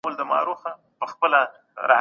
تاسو د خپلو پښو په مینځلو بوخت یاست.